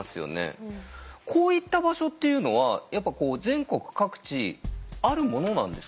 こういった場所っていうのはやっぱ全国各地あるものなんですかね？